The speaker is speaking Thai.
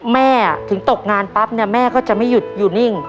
แม่ถึงตกงานปั๊บเนี่ยแม่ก็จะไม่หยุดอยู่นิ่ง